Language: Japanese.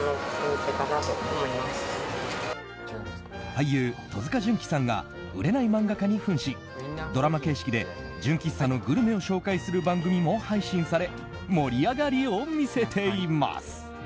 俳優・戸塚純貴さんが売れない漫画家に扮しドラマ形式で純喫茶のグルメを紹介する番組も配信され盛り上がりを見せています。